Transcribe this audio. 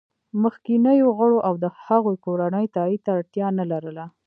مخکینیو غړو او د هغوی کورنیو تایید ته اړتیا نه لرله